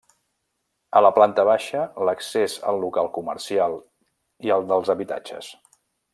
A la planta baixa, l'accés al local comercial i el dels habitatges.